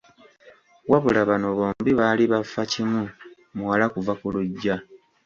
Wabula bano bombi baali bafa kimu muwala kuva ku luggya.